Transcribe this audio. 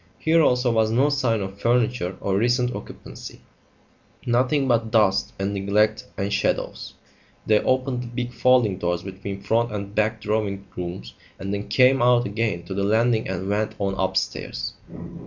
Here also was no sign of furniture or recent occupancy; nothing but dust and neglect and shadows. They opened the big folding doors between front and back drawing rooms and then came out again to the landing and went on upstairs.